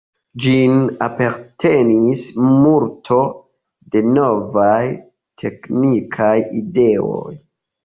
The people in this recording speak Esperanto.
Ĝin apartenis multo da novaj teknikaj ideoj.